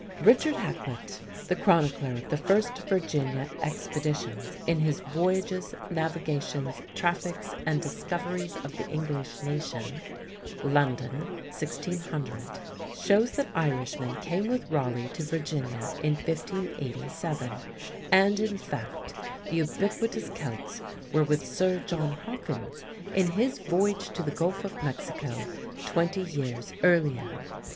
Richard Hakluyt, the chronicler of the first Virginia expeditions, in his Voyages, Navigations, Traffiques, and Discoveries of the English Nation (London, 1600), shows that Irishmen came with Raleigh to Virginia in 1587 and, in fact, the ubiquitous Celts were with Sir John Hawkins in his voyage to the Gulf of Mexico twenty years earlier.